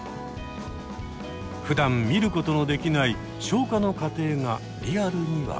ふだん見ることのできない消化の過程がリアルに分かる。